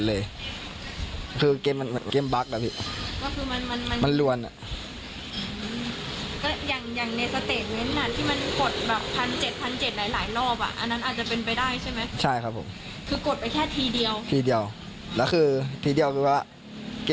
แล้วหนูว่าน้องเขารู้ไหมรู้ทันเกมว่ามันบัค